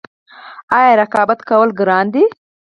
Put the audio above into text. آیا رقابت کول ګران دي؟